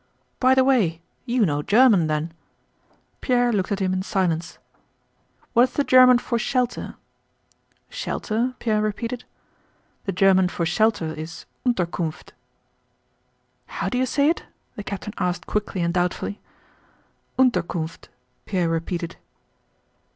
"By the way, you know German, then?" Pierre looked at him in silence. "What is the German for 'shelter'?" "Shelter?" Pierre repeated. "The German for shelter is Unterkunft." "How do you say it?" the captain asked quickly and doubtfully. "Unterkunft," Pierre repeated.